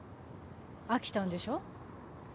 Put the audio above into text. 飽きたんでしょ？